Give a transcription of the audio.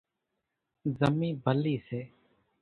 زمِي ڀلِي سي۔